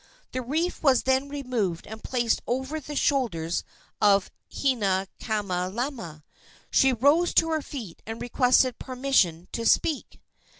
The wreath was then removed and placed over the shoulders of Hinaikamalama. She rose to her feet and requested permission to speak.